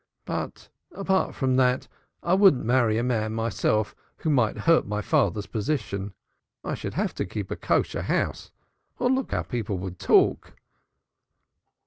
But apart from that, I wouldn't marry a man, myself, who might hurt my father's position. I should have to keep a kosher house or look how people would talk!"